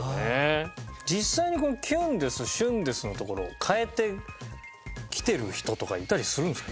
実際にこの「きゅんです！」「シュンです。」のところを変えてきてる人とかいたりするんですか？